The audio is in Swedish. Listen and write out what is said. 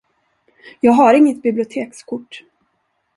Jag har inget bibliotekskort.